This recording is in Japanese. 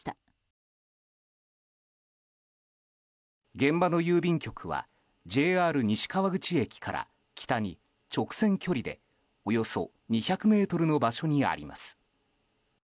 現場の郵便局はＪＲ西川口駅から北に直線距離でおよそ２００ｍの場所にあります。